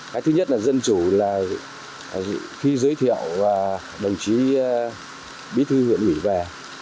cái thứ nhất là dân chủ là khi giới thiệu đồng chí bí thư huyện ủy về